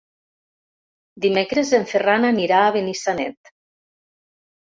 Dimecres en Ferran anirà a Benissanet.